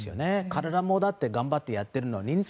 彼らも頑張ってやってるのにね。